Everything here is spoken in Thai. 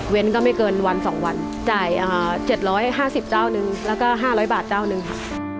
ก็ไม่เกินวัน๒วันจ่าย๗๕๐เจ้านึงแล้วก็๕๐๐บาทเจ้านึงค่ะ